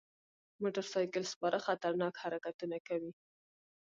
موټر سایکل سپاره خطرناک حرکتونه کوي.